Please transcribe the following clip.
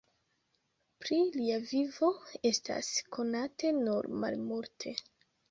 Pri lia vivo estas konate nur malmulte.